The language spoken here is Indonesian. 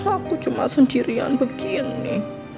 aku cuma sendirian begini